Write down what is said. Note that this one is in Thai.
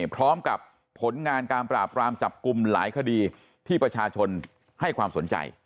พร้อมกับผลงานการปราบรามจับกลุ่มหลายคดีที่ประชาชนให้ความสนใจ